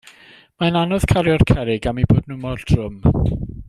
Mae hi'n anodd cario'r cerrig am 'u bod nhw mor drwm.